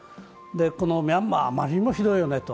ミャンマーはあまりにもひどいよねと。